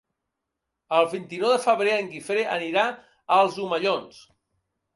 El vint-i-nou de febrer en Guifré anirà als Omellons.